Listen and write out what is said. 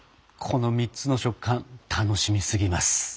この３つの食感楽しみすぎます！